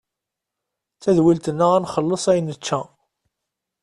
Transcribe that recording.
D tadwilt-nneɣ ad nxelles ayen nečča.